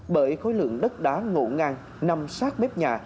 bởi khối lượng đất đá ngộ ngang nằm sát bếp nhà